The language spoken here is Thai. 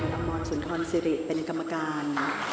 ละครสุนทรสิริเป็นกรรมการ